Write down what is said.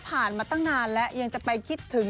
ผ่านมาตั้งนานและยังจะไปคิดถึง